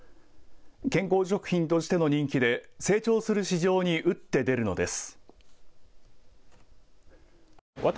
健康食品としての人気で成長する市場に打って出るのです。